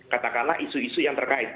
katakanlah isu isu yang terkait